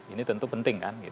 ini tentu penting kan